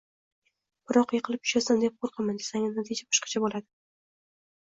Biroq: “Yiqilib tushasan, deb qo‘rqaman!”, desangiz, natija boshqacha bo‘ladi.